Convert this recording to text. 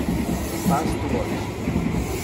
Fa estolons.